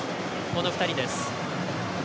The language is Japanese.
この２人です。